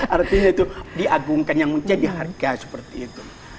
artinya itu diagungkan yang menjadi harga seperti itu